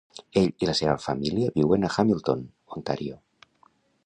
Ell i la seva família viuen a Hamilton, Ontario.